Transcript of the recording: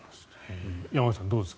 山口さん、どうですか。